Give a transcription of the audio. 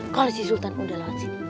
kalau si sultan udah lewat sini